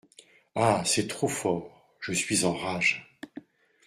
Ah ! c’est trop fort ! je suis en rage !